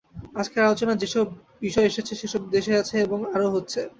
আজকের আলোচনায় যেসব বিষয় এসেছে সেসব দেশে আছে এবং আরও হচ্ছে।